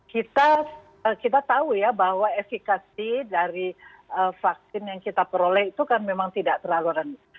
kita tahu ya bahwa efikasi dari vaksin yang kita peroleh itu kan memang tidak terlalu rendah